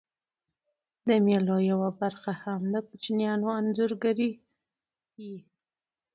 د مېلو یوه برخه هم د کوچنيانو انځورګرۍ يي.